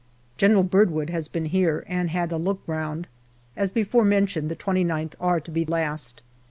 General Birdwood has been here and had a look round. As before mentioned, the 2Qth are to be last.